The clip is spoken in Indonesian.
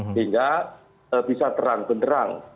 sehingga bisa terang benderang